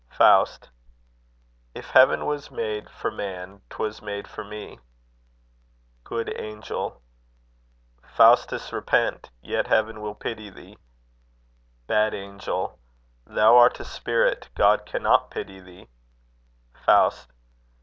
Faust. If heaven was made for man, 'twas made for me. Good Angel. Faustus, repent; yet heaven will pity thee. Bad Angel. Thou art a spirit, God cannot pity thee. Faust.